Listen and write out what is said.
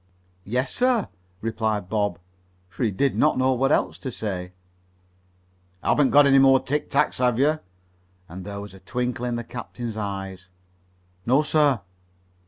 "Yes, sir," replied Bob, for he did not know what else to say. "Haven't got any more tic tacs, have you?" and there was a twinkle in the captain's eyes. "No, sir."